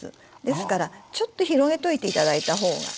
ですからちょっと広げといて頂いた方が。